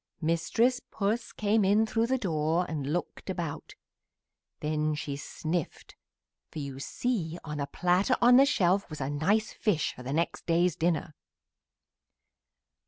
"Mistress Puss came in through the door and looked about; then she sniffed, for you see on a platter on the shelf was a nice fish for the next day's dinner.